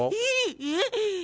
えっ？